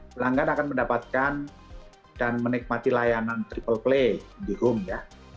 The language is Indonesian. pelanggan akan mendapatkan dan menikmati layanan triple play di home ya